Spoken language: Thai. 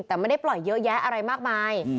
แต่ไม่ได้ปล่อยเยอะแยะอะไรมากมาย